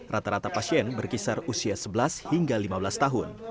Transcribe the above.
rata rata pasien berkisar usia sebelas hingga lima belas tahun